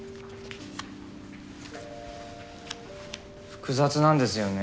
複雑なんですよね。